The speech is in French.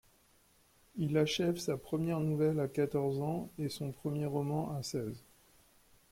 Il achève sa première nouvelle à quatorze ans et son premier roman à seize.